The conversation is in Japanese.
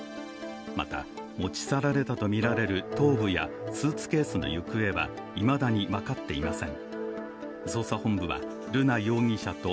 また、持ち去られたとみられる頭部やスーツケースの行方はいまだに分かっていません。